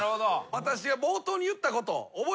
私が冒頭に言ったこと覚えてますか？